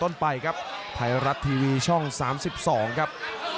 ต้นไปครับไทยรัฐทีวีช่อง๓๒ครับ